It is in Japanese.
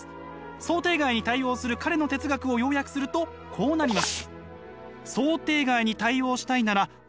想定外に対応する彼の哲学を要約するとこうなります。